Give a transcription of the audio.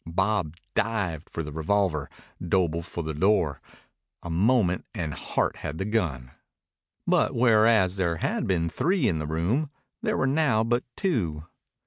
Bob dived for the revolver, Doble for the door. A moment, and Hart had the gun. But whereas there had been three in the room there were now but two.